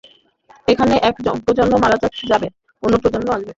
এখানে এক প্রজন্ম মারা যাবে, অন্য প্রজন্ম আসবে।